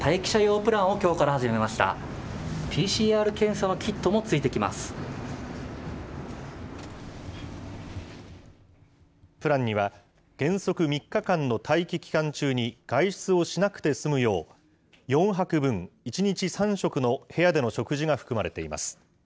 プランには、原則３日間の待機期間中に外出をしなくて済むよう、４泊分、１日３食の部屋での食事が含まれています。